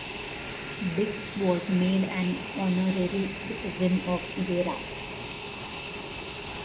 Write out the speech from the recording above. Dix was made an honorary citizen of Gera.